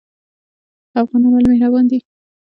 افغانان ولې مهربان دي؟